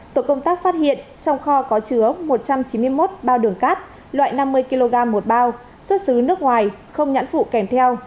tổ công tác phát hiện trong kho có chứa một trăm chín mươi một bao đường cát loại năm mươi kg một bao xuất xứ nước ngoài không nhãn phụ kèm theo